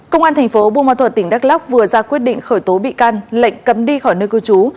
công an thành phố buôn ma thuật tỉnh đắk lóc vừa ra quyết định khởi tố bị can lệnh cấm đi khỏi nơi cư trú